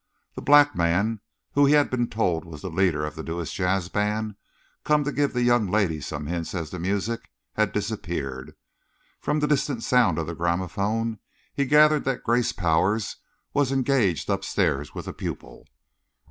The black man who he had been told was the leader of the newest Jazz band, come to give the young lady some hints as to music, had disappeared. From the distant sound of the gramophone, he gathered that Grace Powers was engaged upstairs with a pupil.